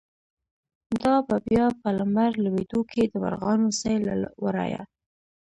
“دا به بیا په لمر لویدو کی، د مرغانو سیل له ورایه